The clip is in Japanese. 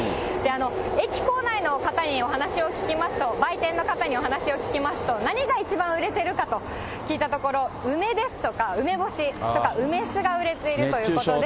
駅構内の方にお話を聞きますと、売店の方にお話を聞きますと、何が一番売れてるかと聞いたところ、梅ですとか、梅干しとか梅酢が売れているということで。